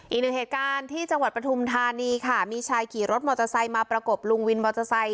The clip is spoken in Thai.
อีกหนึ่งเหตุการณ์ที่จังหวัดปฐุมธานีค่ะมีชายขี่รถมอเตอร์ไซค์มาประกบลุงวินมอเตอร์ไซค